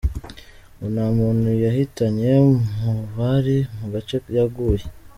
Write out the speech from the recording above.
Ngo nta muntu yahitanye mu bari mu gace yaguye.